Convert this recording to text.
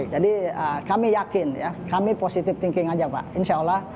jadi kami yakin ya kami positive thinking aja pak insya allah